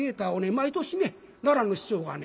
毎年ね奈良の市長がね